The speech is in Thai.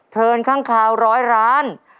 เทินข้างคาวร้อยล้าน